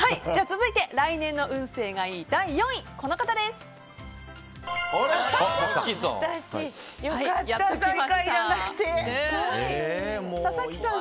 続いて来年の運勢がいい第４位早紀さん。